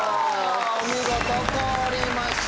お見事凍りました。